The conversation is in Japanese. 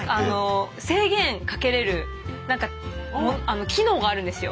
制限かけれる機能があるんですよ。